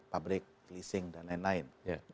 public leasing dan lain lain